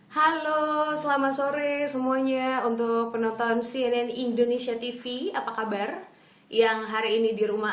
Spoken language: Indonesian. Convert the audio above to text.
halo selamat sore semuanya untuk penonton cnn indonesia tv apa kabar yang hari ini di rumah